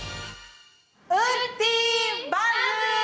ウッディ、バズ！